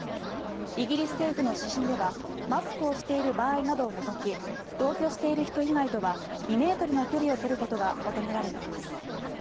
イギリス政府の指針ではマスクをしている場合などを除き同居している人以外とは２ｍの距離を取ることが求められています。